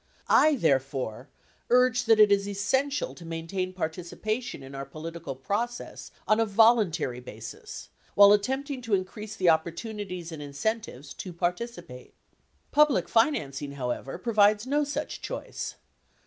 I, therefore, urge that it is essential to maintain participation in our political process on a volun tary basis, while attempting to increase the opportunities and incen tives to participate. Public financing, however, provides no such choice.